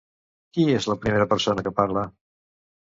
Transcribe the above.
Qui és la primera persona que parla?